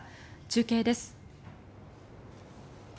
中継です。